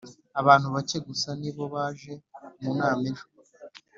abantu bake gusa ni bo baje mu nama ejo.